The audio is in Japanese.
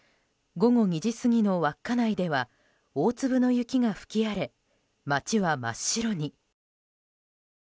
午後２時過ぎの稚内では大粒の雪が吹き荒れ街は真っ白に。